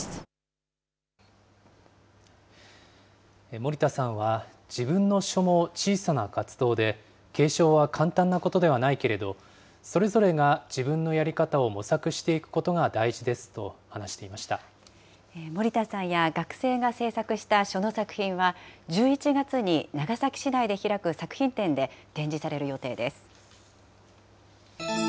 森田さんは、自分の書も小さな活動で、継承は簡単なことではないけれど、それぞれが自分のやり方を模索していくことが大事ですと話してい森田さんや学生が制作した書の作品は、１１月に長崎市内で開く作品展で展示される予定です。